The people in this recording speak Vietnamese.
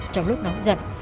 trong lúc nóng giật